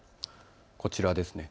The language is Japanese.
こちらです。